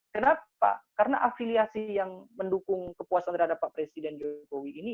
kenapa karena afiliasi yang mendukung kepuasan terhadap pak presiden jokowi ini